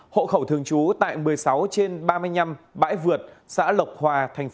hộ khẩu thường trú tại một mươi sáu trên ba mươi năm bãi vượt xã lộc hòa tp nam định